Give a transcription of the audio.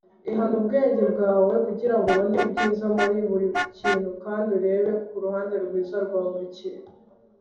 ihana ubwenge bwawe kugirango ubone ibyiza muri buri kintu kandi urebe kuruhande rwiza rwa buri kintu